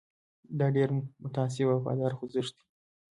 دا ډېر متعصب او وفادار خوځښت دی.